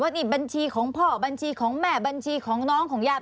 นี่บัญชีของพ่อบัญชีของแม่บัญชีของน้องของญาติ